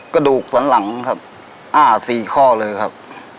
กระดูกสันหลังครับอ้า๔ข้อเลยครับ